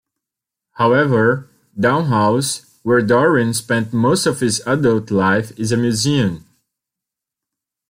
However, Down House, where Darwin spent most of his adult life, is a museum.